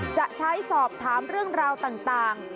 จะใช้สอบถามเรื่องราวต่าง